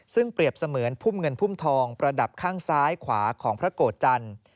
ซึ่งเปรียบเสมือนพุ่มเงินพุ่มทองประดับข้างซ้ายขวาของพระโกรธจันทร์